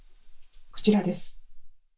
こちらです。